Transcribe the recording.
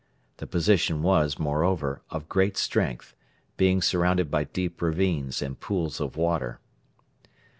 The position was, moreover, of great strength, being surrounded by deep ravines and pools of water.